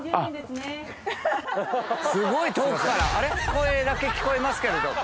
声だけ聞こえますけれど。